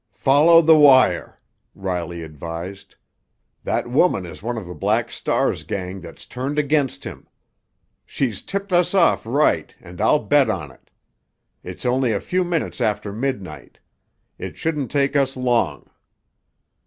"Follow the wire!" Riley advised. "That woman is one of the Black Star's gang that's turned against him. She's tipped us off right, and I'll bet on it! It's only a few minutes after midnight. It shouldn't take us long.